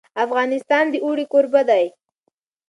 افغانستان د اوړي کوربه دی.